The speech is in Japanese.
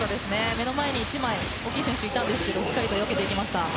目の前に１枚大きい選手、いたんですがしっかりとよけてきました。